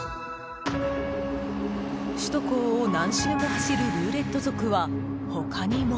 首都高を何周も走るルーレット族は他にも。